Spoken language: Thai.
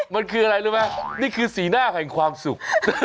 มันคืออะไรรู้ไหมนี่คือสีหน้าแห่งความสุข